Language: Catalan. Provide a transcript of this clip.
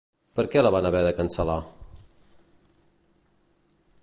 Per què la van haver de cancel·lar?